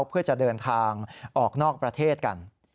เพื่อจะเดินทางออกนอกประเทศกัน